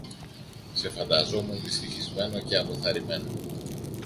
Σε φανταζόμουν δυστυχισμένο και αποθαρρυμένο